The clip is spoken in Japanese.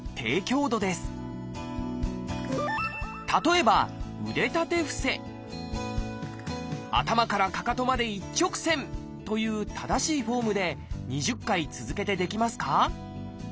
例えば頭からかかとまで一直線という正しいフォームで２０回続けてできますか？